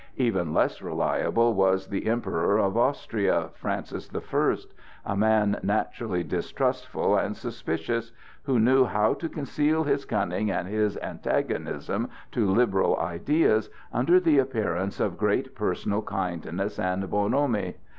Even less reliable was the Emperor of Austria, Francis the First, a man naturally distrustful and suspicious, who knew how to conceal his cunning and his antagonism to liberal ideas under the appearance of great personal kindness and bonhomie.